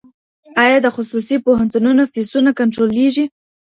آیا د خصوصي پوهنتونونو فیسونه کنټرولیږي؟